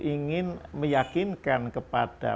ingin meyakinkan kepada